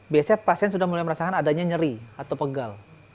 biasanya pasien sudah mulai merasakan adanya nyeri atau pegal